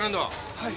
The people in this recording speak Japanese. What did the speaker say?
はい。